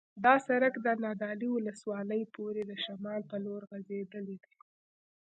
دا سرک د نادعلي ولسوالۍ پورې د شمال په لور غځېدلی دی